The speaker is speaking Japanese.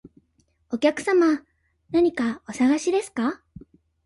お客様、何かお探しですか？